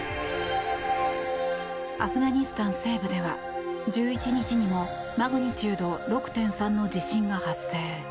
アフガニスタン西部では１１日にもマグニチュード６．３の地震が発生。